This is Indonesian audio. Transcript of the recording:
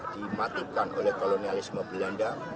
dimatikan oleh kolonialisme belanda